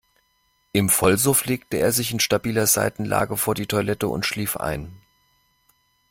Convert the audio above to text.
Im Vollsuff legte er sich in stabiler Seitenlage vor die Toilette und schlief ein.